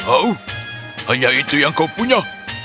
oh hanya itu yang kau punya